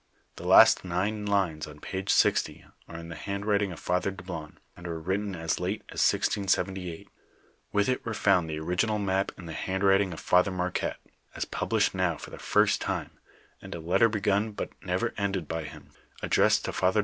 The last nine lines on pnge 60, are in the hand writing of Father Dablon, and were written as late as 1678. With it were found the original map in the hand writing of Father Marquette, as published now for the firet time, and a letter begun but never ended by him, addressed to Father